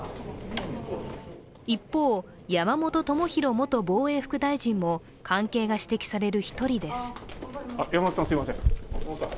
一方、山本朋広元防衛副大臣も関係が指摘される１人です。